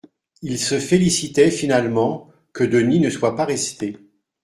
Ils se félicitaient, finalement, que Denis ne soit pas resté.